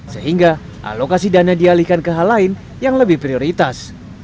sehingga alokasi dana dialihkan ke hal lain yang lebih prioritas